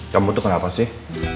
kamu tuh kenapa sih